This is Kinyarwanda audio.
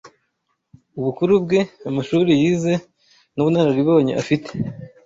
ubukuru bwe, amashuri yize n’ubunararibonye afite